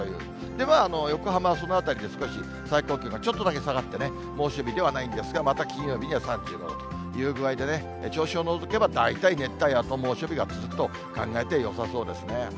で、横浜はそのあたりで少し最高気温がちょっとだけ下がってね、猛暑日ではないんですが、また金曜日には３５度という具合にね、銚子を除けば大体熱帯夜と猛暑日が続くと考えてよさそうですね。